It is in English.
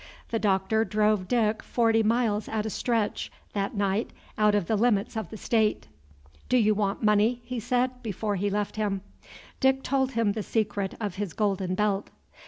The Doctor drove Dick forty miles at a stretch that night, out of the limits of the State. "Do you want money?" he said, before he left him. Dick told him the secret of his golden belt.